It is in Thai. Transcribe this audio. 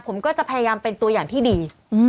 ผมก็จะพยายามเป็นตัวอย่างที่ดี